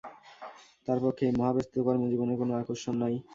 তার পক্ষে এই মহাব্যস্ত কর্মজীবনের কোন আকর্ষণ নাই।